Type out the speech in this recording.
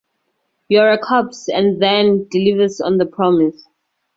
You're a corpse and then delivers on the promise.